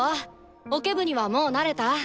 オケ部にはもう慣れた？